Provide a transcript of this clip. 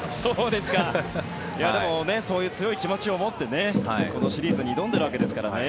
でもそういう強い気持ちを持ってこのシリーズに挑んでいるわけですからね。